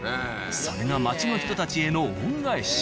それが町の人たちへの恩返し。